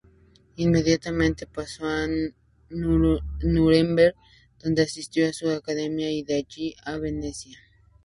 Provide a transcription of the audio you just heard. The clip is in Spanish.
Inmediatamente pasó a Núremberg, donde asistió a su academia, y de allí a Venecia.